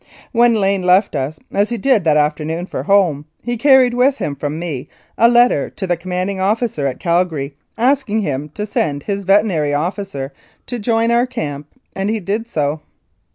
When Lane left us, as he did that afternoon for home, he carried with him from me a letter to the Commanding Officer at Calgary asking him to send his veterinary officer to join our camp, and he did so.